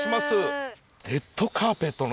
レッドカーペットのような。